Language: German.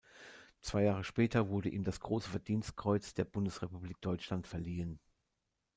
Zwei Jahre später wurde ihm das Große Verdienstkreuz der Bundesrepublik Deutschland verliehen.